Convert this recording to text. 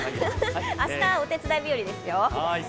明日、お手伝い日よりですよ。